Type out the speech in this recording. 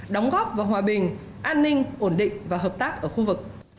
đóng góp vào hòa bình an ninh ổn định và hợp tác ở khu vực